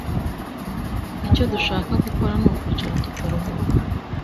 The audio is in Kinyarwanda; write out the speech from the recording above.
Icyo dushaka gukora nukwicara tukaruhuka